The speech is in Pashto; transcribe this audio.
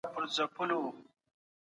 تر واده وروسته د ښځي نفقه پر خاوند باندي ده.